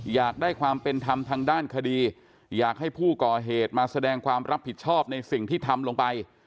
อยากได้ความเป็นธรรมทางด้านคดีอยากให้ผู้ก่อเหตุมาแสดงความรับผิดชอบในสิ่งที่ทำลงไป